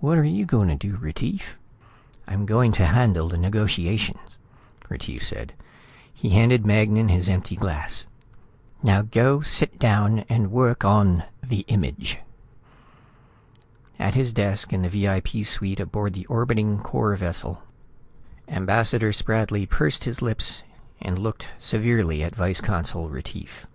"What are you going to do, Retief?" "I'm going to handle the negotiation," Retief said. He handed Magnan his empty glass. "Now go sit down and work on the Image." At his desk in the VIP suite aboard the orbiting Corps vessel, Ambassador Spradley pursed his lips and looked severely at Vice Consul Retief.